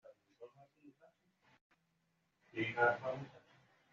La acrópolis se encuentra en un bloque saliente.